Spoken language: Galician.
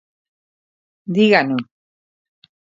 Dígano.